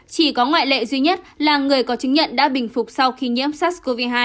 chỉ có ngoại lệ duy nhất là người có chứng nhận đã bình phục sau khi nhiễm sars cov hai